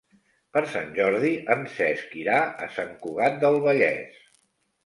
Per Sant Jordi en Cesc irà a Sant Cugat del Vallès.